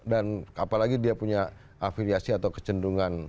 dan apalagi dia punya afiliasi atau kecenderungan